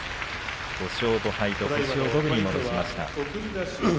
５勝５敗と星を五分に戻しました。